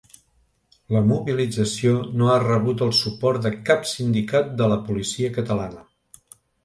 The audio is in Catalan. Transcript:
La mobilització no ha rebut el suport de cap sindicat de la policia catalana.